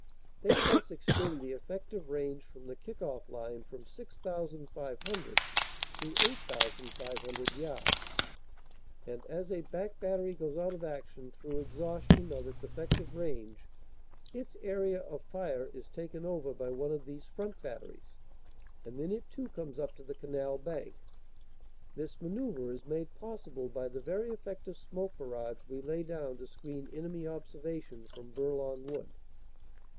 They thus extend the effective range from the kick off line from 6,500 to 8,500 yards, and as a back battery goes out of action through exhaus tion of its effective range, its area of fire is taken over by one of these front batteries, and then it too comes up to the canal bank. This manoeuvre is made possible by the very effective smoke barrage we lay down to screen enemy observation from Bourlon Wood.